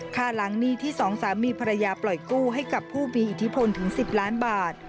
ค่าล้างหนี้ที่สองสามีภรรยาปล่อยกู้ให้กับผู้มีอิทธิพลถึง๑๐ล้านบาท